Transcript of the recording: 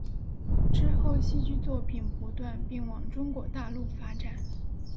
之后戏剧作品不断并往中国大陆发展。